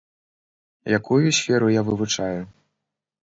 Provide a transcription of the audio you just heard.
Якую сферу я вывучаю?